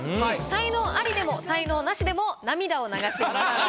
才能アリでも才能ナシでも涙を流しています。